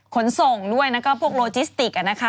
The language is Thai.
ขนส่งด้วยแล้วก็พวกโลจิสติก